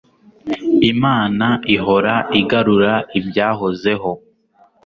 imana ihora igarura ibyahozeho